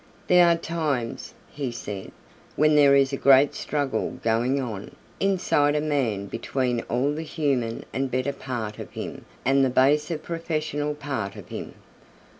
"There are times," he said, "when there is a great struggle going on inside a man between all the human and better part of him and the baser professional part of him.